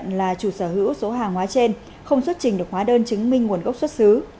chú huyện là chủ sở hữu số hàng hóa trên không xuất trình được hóa đơn chứng minh nguồn gốc xuất xứ